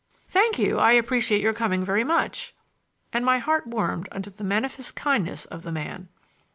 "Thank you; I appreciate your coming very much," —and my heart warmed under the manifest kindness of the man.